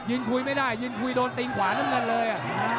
คุยไม่ได้ยืนคุยโดนตีนขวาน้ำเงินเลย